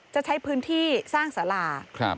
จะใช้พื้นที่สร้างสารา